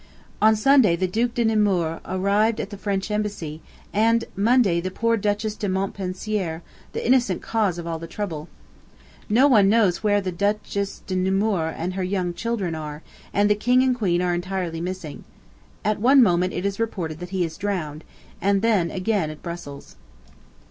On Sunday the Duc de Nemours arrived at the French Embassy, and Monday the poor Duchess de Montpensier, the innocent cause of all the trouble. No one knows where the Duchess de Nemours and her young children are, and the King and Queen are entirely missing. At one moment it is reported that he is drowned, and then, again, at Brussels.